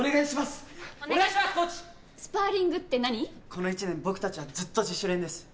この１年僕たちはずっと自主練です。